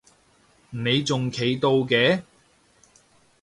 你仲企到嘅？